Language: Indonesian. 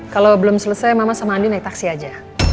kalau belum selesai mama sama andi naik taksi aja